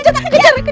jangan lari cepet